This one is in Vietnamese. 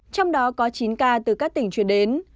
trong đó có chín ca từ các tỉnh chuyển đến